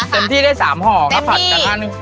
เต็มที่ได้๓ห่อถ้าผัดจังห้านึก